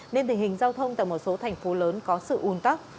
nên thể hình giao thông tại một số thành phố lớn có sự un tắc